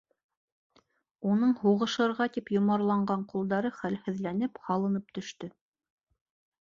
Уның һуғышырға тип йомарланған ҡулдары хәлһеҙләнеп һалынып төштө.